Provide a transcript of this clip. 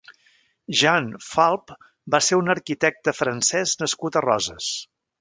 Jean Falp va ser un arquitecte francès nascut a Roses.